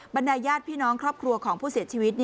บรรดายญาติพี่น้องครอบครัวของผู้เสียชีวิต